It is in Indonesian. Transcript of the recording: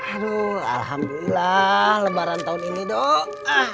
aduh alhamdulillah lebaran tahun ini dok